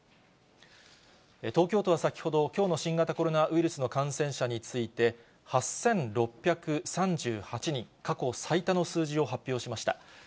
東京都は先ほど、きょうの新型コロナウイルスの感染者について、８６３８人、過去最多の数字を発表しました。